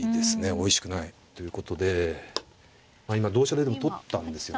おいしくない。ということで今同飛車で取ったんですよね。